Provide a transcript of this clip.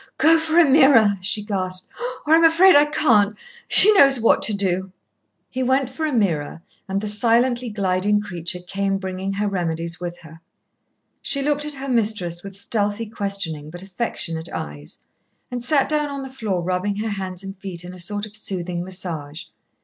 "Go for Ameerah," she gasped, "or I'm afraid I can't. She knows what to do." He went for Ameerah, and the silently gliding creature came bringing her remedies with her. She looked at her mistress with stealthily questioning but affectionate eyes, and sat down on the floor rubbing her hands and feet in a sort of soothing massage.